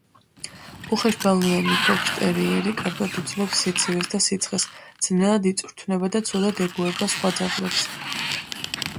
უხეშბალნიანი ფოქსტერიერი კარგად უძლებს სიცივეს და სიცხეს, ძნელად იწვრთნება და ცუდად ეგუება სხვა ძაღლებს.